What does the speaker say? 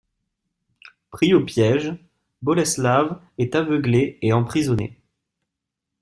Pris au piège, Boleslav est aveuglé et emprisonné.